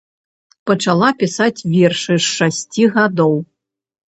Пачала пісаць вершы з шасці гадоў.